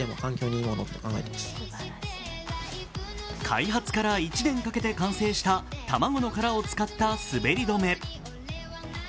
開発から１年かけて完成した卵の殻を使った滑り止め。